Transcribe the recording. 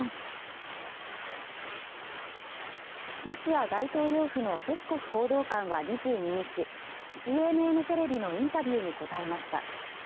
ロシア大統領府のペスコフ報道官は２２日ＣＮＮテレビのインタビューに答えました。